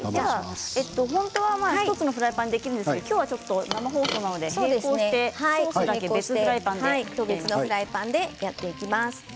１つのフライパンでできるんですけど今日は生放送なので別のフライパンでやっていきます。